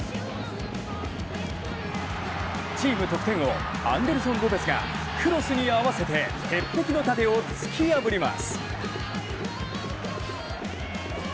チーム得点王、アンデルソン・ロペスがクロスに合わせて鉄壁の盾を突き破ります。